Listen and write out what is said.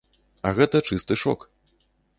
А гэта чысты шок.